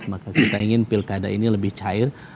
maka kita ingin pilkada ini lebih cair